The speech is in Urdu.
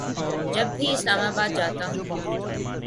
جب بھی اسلام آباد جاتا ہوں